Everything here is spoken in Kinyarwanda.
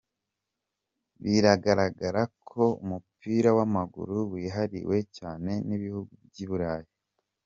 Biragaragara ko umupira w’amaguru wihariwe cyane n’ibihugu by’i Burayi.